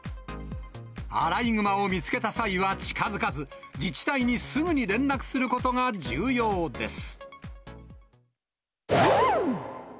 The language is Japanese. アライグマを見つけた際は近づかず、自治体にすぐに連絡することが重要です。